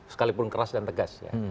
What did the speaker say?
sekalipun keras dan tegas